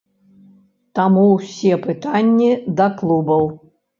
Таму ўсе пытанні да клубаў.